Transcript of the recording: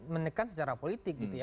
menekan secara politik gitu ya